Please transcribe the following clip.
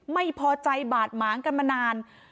ไม่พอใจบาดหมางกันมานาน